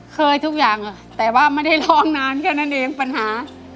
ทุกอย่างแต่ว่าไม่ได้ร้องนานแค่นั้นเองปัญหา